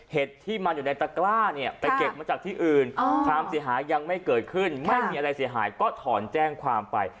ที่มันอยู่ในตะกล้าเนี่ยไปเก็บมาจากที่อื่นความเสียหายยังไม่เกิดขึ้นไม่มีอะไรเสียหายก็ถอนแจ้งความไป